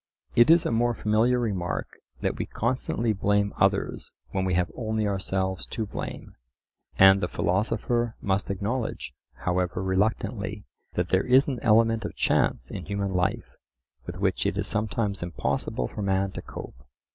It is a more familiar remark that we constantly blame others when we have only ourselves to blame; and the philosopher must acknowledge, however reluctantly, that there is an element of chance in human life with which it is sometimes impossible for man to cope.